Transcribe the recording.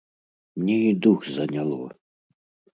Мне і дух заняло.